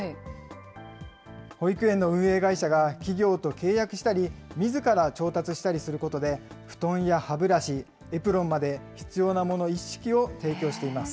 保育園の運営会社が企業と契約したり、みずから調達したりすることで、布団や歯ブラシ、エプロンまで必要なもの一式を提供しています。